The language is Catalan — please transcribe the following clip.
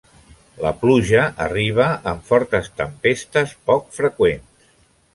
La pluja arriba amb fortes tempestes poc freqüents.